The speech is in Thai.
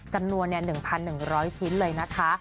จำนวน๑๑๐๐ชิ้นเลยนะคะ